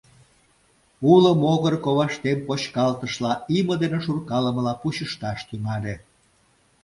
Уло могыр коваштем почкалтышла, име дене шуркалымыла пучышташ тӱҥале.